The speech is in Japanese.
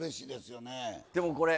でもこれ。